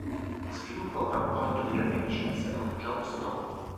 Sviluppa un rapporto di grande amicizia con Jon Snow.